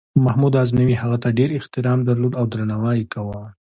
محمود غزنوي هغه ته ډېر احترام درلود او درناوی یې کاوه.